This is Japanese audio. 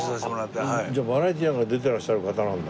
じゃあバラエティーなんかに出ていらっしゃる方なんだ。